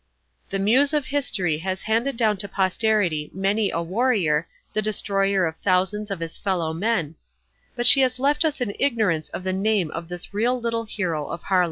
The Muse of History has handed down to posterity many a warrior, the destroyer of thousands of his fellow men but she has left us in ignorance of the name of this real little hero of Haarlem.